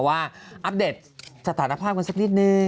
อัปเดตสถานภาพกันสักนิดนึง